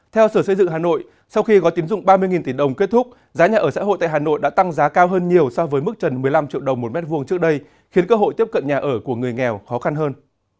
theo sở xây dựng hà nội sau khi gói tín dụng ba mươi tỷ đồng kết thúc giá nhà ở xã hội tại hà nội đã tăng giá cao hơn nhiều so với mức trần một mươi năm triệu đồng một mét vuông trước đây khiến cơ hội tiếp cận nhà ở của người nghèo khó khăn hơn